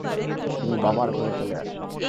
তিনি বাবার ঘরে চলে আসেন।